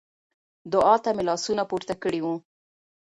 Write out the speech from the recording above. دعا ته مې لاسونه پورته کړي وو.